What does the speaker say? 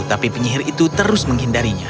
tapi penyihir itu terus menghindarinya